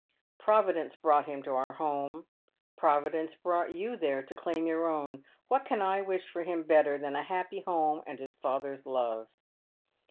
Providence brought him to our home. Providence brought you there to claim your own. What can I wish for him better than a happy home and his father's love